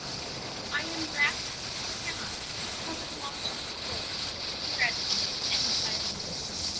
"I am rapt, and cannot Cover the monstrous bulk of this ingratitude With any size of words."